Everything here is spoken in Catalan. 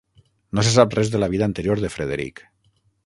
No se sap res de la vida anterior de Frederic.